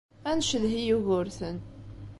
Ad ncedhi Yugurten.